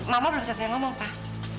mama belum selesai ngomong pak